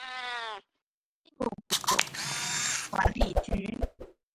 印度国家公路管理局。